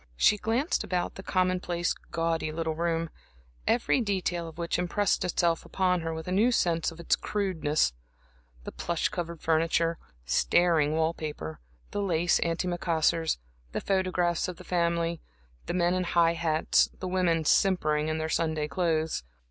She glanced about the commonplace, gaudy little room, every detail of which impressed itself upon her with a new sense of its crudeness; the plush covered furniture, staring wall paper, the lace anti macassars, the photographs of the family, the men in high hats, the women simpering in their Sunday clothes.